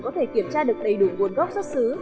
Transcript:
có thể kiểm tra được đầy đủ nguồn gốc xuất xứ